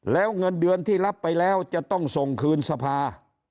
แล้วเงินเดือนที่รับไปแล้วจะต้องส่งคืนสภา